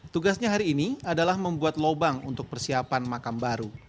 tugasnya hari ini adalah membuat lubang untuk persiapan makam baru